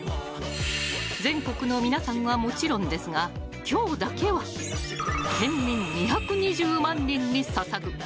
「全国の皆さんはもちろんですが今日だけは県民２２０万人に捧ぐ！